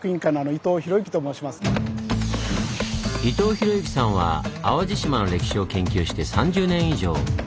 伊藤宏幸さんは淡路島の歴史を研究して３０年以上！